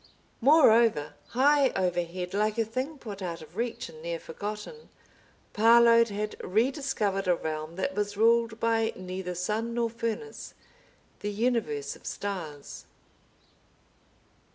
Moreover, high overhead, like a thing put out of reach and near forgotten, Parload had rediscovered a realm that was ruled by neither sun nor furnace, the universe of stars.